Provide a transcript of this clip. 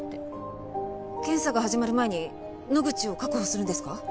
検査が始まる前に野口を確保するんですか？